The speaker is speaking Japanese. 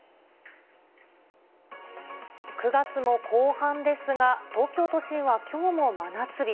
９月も後半ですが、東京都心はきょうも真夏日。